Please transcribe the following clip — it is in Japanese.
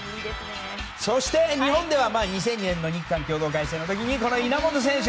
そして、日本では２００２年の日韓共同大会の時に稲本選手。